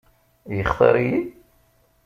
Yextaṛ-iyi?